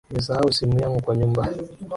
Nilisahau simu yangu kwa nyumba